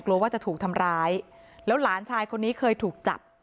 กลัวว่าจะถูกทำร้ายแล้วหลานชายคนนี้เคยถูกจับ